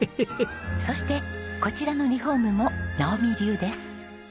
そしてこちらのリフォームも直己流です。